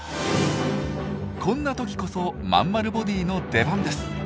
こんな時こそまんまるボディーの出番です。